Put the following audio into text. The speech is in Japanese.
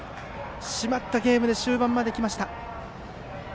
締まったゲームで終盤まで来ました。